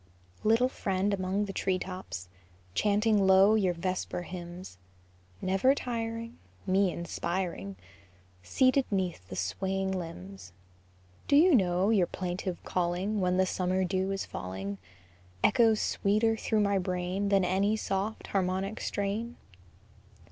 Little friend among the tree tops, Chanting low your vesper hymns, Never tiring, Me inspiring, Seated 'neath the swaying limbs, Do you know your plaintive calling, When the summer dew is falling, Echoes sweeter through my brain Than any soft, harmonic strain?